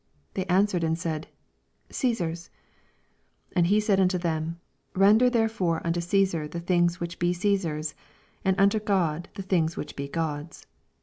They answered and said, CsBsnr^s. 25 And he said unto them, Bender therefore unto Csesarthe things which be Caesar's, and unto God the things which he God's.